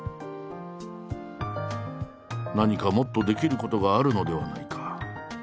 「何かもっとできることがあるのではないか」。